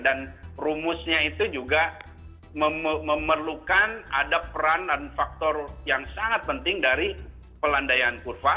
dan rumusnya itu juga memerlukan ada peran dan faktor yang sangat penting dari pelandaian kurva